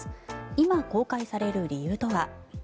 今、公開される理由とは。